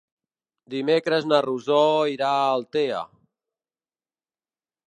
Dimecres na Rosó irà a Altea.